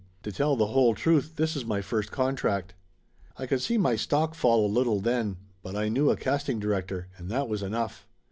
To tell the whole truth this is my first contract." I could see my stock fall a little then, but I knew a casting director, and that was enough.